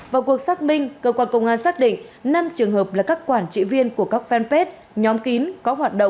vào cuộc xác minh cơ quan công an xác định năm trường hợp là các quản trị viên của các fanpage nhóm kín